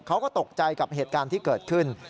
เขาก็ตกใจกับเหตุการณ์ที่เกิดขึ้น